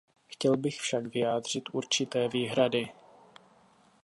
Chtěl bych však vyjádřit určité výhrady.